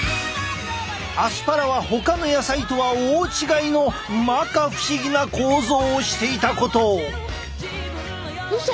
アスパラはほかの野菜とは大違いの摩訶不思議な構造をしていたことを。